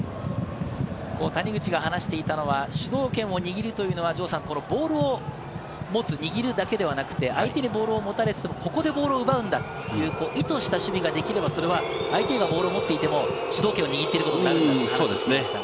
谷口が話していたのは主導権を握るというのは、ボールを持つ、握るだけではなく、相手にボールを持たれていても、ここでボールを奪うんだと、意図した守備ができれば、それは相手がボールを持っていても主導権を握っていることになると話していました。